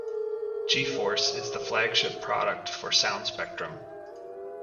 G-Force is the flagship product for SoundSpectrum.